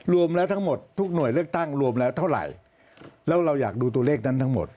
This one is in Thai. รวมแล้วทั้งหมดทุกหน่วยเลือกตั้งรวมแล้วเท่าไหร่แล้วเราอยากดูตัวเลขนั้นทั้งหมด